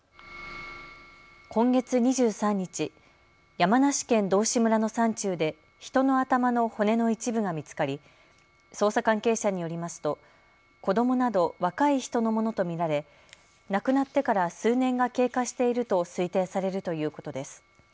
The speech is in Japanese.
今月２３日、山梨県道志村の山中で人の頭の骨の一部が見つかり捜査関係者によりますと子どもなど若い人のものと見られ、亡くなってから数年が経過していると推定されるということです。